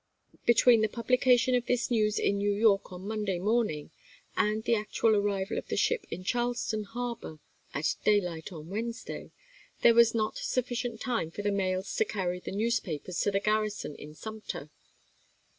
Between the publication of this news in New York on Monday morning and the actual arrival of the ship in Charleston harbor at daylight on Wednesday, there was not sufficient time for the mails to carry the newspapers to the garrison in Sumter.